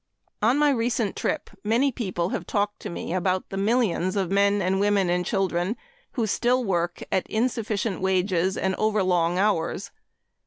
On my recent trip many people have talked to me about the millions of men and women and children who still work at insufficient wages and overlong hours.